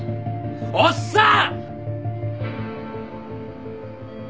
おっさん！